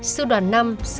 sư đoàn năm